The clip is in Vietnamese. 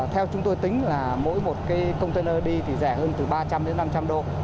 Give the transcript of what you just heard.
theo chúng tôi tính là mỗi một cái container đi thì rẻ hơn từ ba trăm linh đến năm trăm linh đô